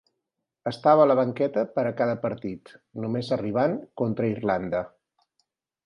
Estava a la banqueta per a cada partit, només arribant contra Irlanda.